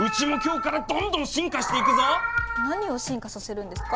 何を進化させるんですか？